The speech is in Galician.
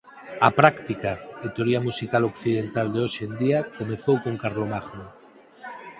A práctica e teoría musical occidental de hoxe en día comezou con Carlomagno.